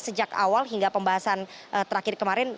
sejak awal hingga pembahasan terakhir kemarin